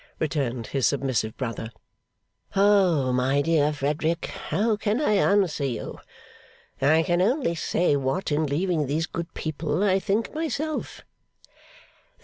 returned his submissive brother. 'Oh! my dear Frederick, how can I answer you? I can only say what, in leaving these good people, I think myself.